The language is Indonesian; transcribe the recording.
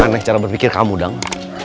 aneh cara berpikir kamu dang